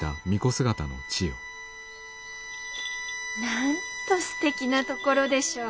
なんとすてきな所でしょう。